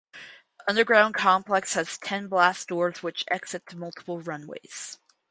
The underground complex has ten blast doors which exit to multiple runways.